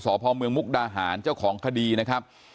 สพเมืองมุกดาหารเจ้าของคดีนะครับ